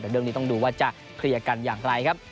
แต่เรื่องนี้ต้องดูว่าจะเคลียร์กันอย่างไรครับ